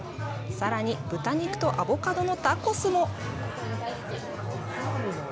さらに豚肉とアボカドのタコスも！